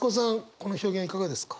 この表現いかがですか。